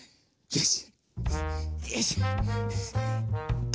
よし。